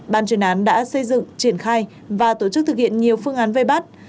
ban chuyên án đã xây dựng triển khai và tổ chức thực hiện nhiều phương án vây bắt